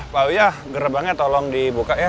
pak uyah gerbangnya tolong dibuka ya